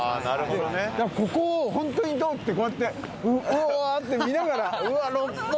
あなるほどね。ここをホントに通ってこうやってうわ！って見ながら。